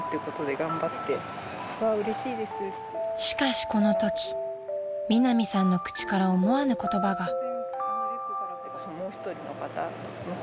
［しかしこのときミナミさんの口から思わぬ言葉が］